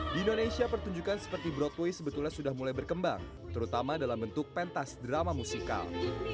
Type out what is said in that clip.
di indonesia pertunjukan seperti broadway sebetulnya sudah mulai berkembang terutama dalam bentuk pentas drama musikal